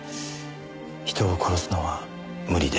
人を殺すのは無理ですね。